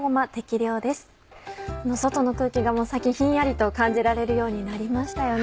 外の空気がもう最近ひんやりと感じられるようになりましたよね。